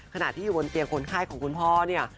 ขณะที่อยู่บนเตียงคนไข้ของคุณพ่อเนี่ย